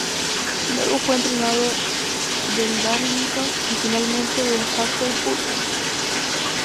Luego fue entrenador del Darlington y finalmente del Hartlepool United.